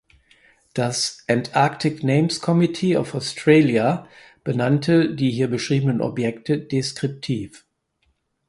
Das Antarctic Names Committee of Australia benannte die hier beschriebenen Objekte deskriptiv.